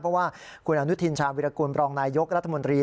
เพราะว่าคุณอนุทินชาญวิรากุลบรองนายยกรัฐมนตรี